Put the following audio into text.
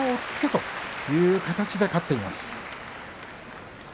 そういう形で勝っています。